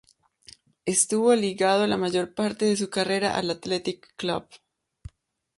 Estuvo ligado la mayor parte de su carrera al Athletic Club.